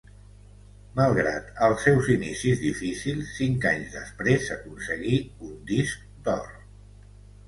Malgrat els seus inicis difícils, cinc anys després aconseguí un disc d'or.